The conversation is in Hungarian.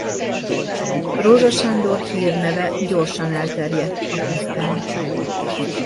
Rózsa Sándor hírneve gyorsan elterjedt a pusztán.